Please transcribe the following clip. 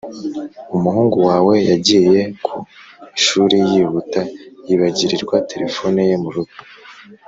Umuhungu wawe yagiye ku ishuri yihuta yibagirirwa telefoni ye mu rugo